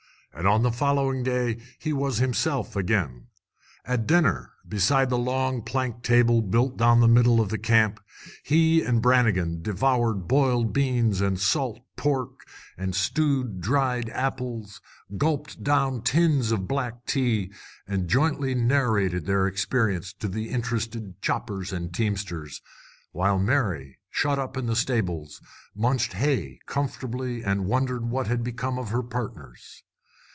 And on the following day he was himself again. At dinner, beside the long plank table built down the middle of the Camp, he and Brannigan devoured boiled beans and salt pork and stewed dried apples, gulped down tins of black tea, and jointly narrated their experience to the interested choppers and teamsters, while Mary, shut up in the stables, munched hay comfortably and wondered what had become of her partners.